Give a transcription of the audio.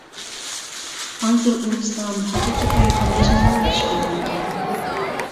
ھازىر ئويلىسام ھەقىقەتەن قاملاشمىغانلا ئىش بولغانىكەن.